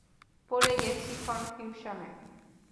পড়ে গেছি কনফিউশনে?